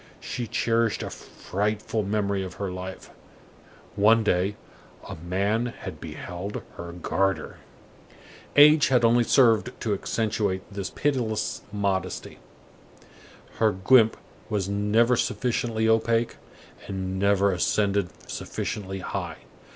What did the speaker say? She cherished a frightful memory of her life; one day, a man had beheld her garter. Age had only served to accentuate this pitiless modesty. Her guimpe was never sufficiently opaque, and never ascended sufficiently high.